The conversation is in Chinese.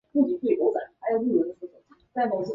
克林顿是一个位于美国阿肯色州范布伦县的城市。